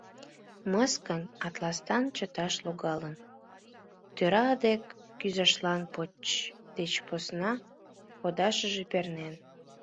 Мыскынь Антсланат чыташ логалын, тӧра дек кӱзашлан поч деч посна кодашыже пернен.